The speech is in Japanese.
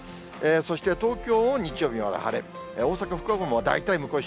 そして、東京も日曜日まで晴れ、大阪、福岡も大体向こう